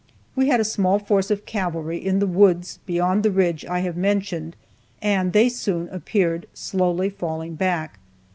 We had a small force of our cavalry in the woods beyond the ridge I have mentioned, and they soon appeared, slowly falling back.